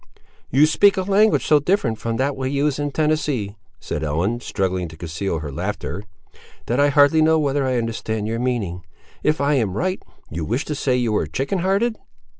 "You speak a language so different from that we use in Tennessee," said Ellen, struggling to conceal her laughter, "that I hardly know whether I understand your meaning. If I am right, you wish to say you were chicken hearted."